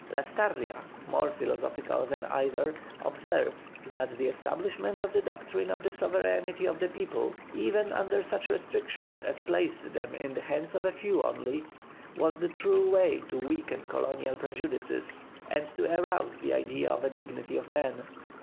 Lastarria, more philosophical than either, observes that the establishment of the doctrine of the sovereignty of the people, even under such restrictions as placed them in the hands of a few only, was the true way to weaken colonial prejudices and to arouse the idea of the dignity of man.